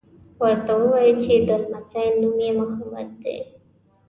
ورته ووایي چې د لمسي نوم یې محمد دی.